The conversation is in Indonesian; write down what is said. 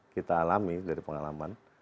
kita alami dari pengalaman